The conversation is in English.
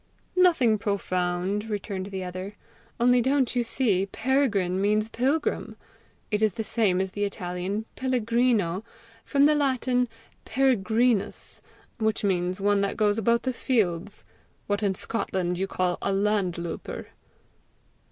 "Nothing profound," returned the other. "Only don't you see Peregrine means pilgrim? It is the same as the Italian pellegrino, from the Latin, peregrinus, which means one that goes about the fields, what in Scotland you call a LANDLOUPER."